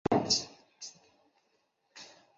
等多部名人辞书。